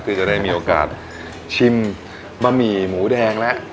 ที่จะได้มีโอกาสชิมบ้าหมี่หมูแดงและ